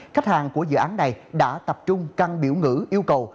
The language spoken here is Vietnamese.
khách hàng của dự án này đã tập trung căng biểu ngữ yêu cầu